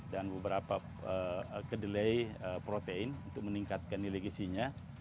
dan beberapa kedelai protein untuk meningkatkan nilai isinya